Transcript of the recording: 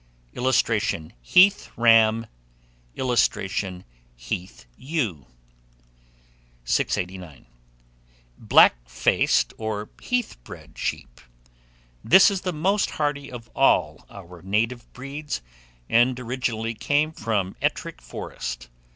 [Illustration: HEATH RAM.] [Illustration: HEATH EWE.] 689. BLACK FACED, on HEATH BRED SHEEP. This is the most hardy of all our native breeds, and originally came from Ettrick Forest.